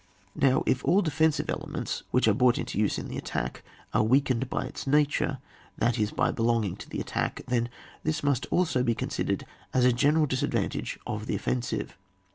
Now, if all defensive elements which are brought into use in the attack are weakened by its nature, that is by belonging to the attack, then this must also be considered as a general disad vantage of the offensive.